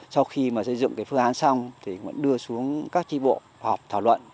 sau khi xây dựng phương án xong đưa xuống các tri bộ họp thảo luận